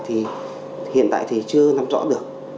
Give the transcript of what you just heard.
thì hiện tại thì chưa nắm rõ được